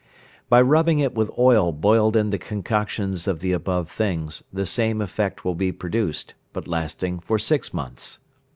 By rubbing it with oil boiled in the concoctions of the above things, the same effect will be produced, but lasting for six months.